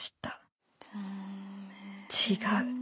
「違う。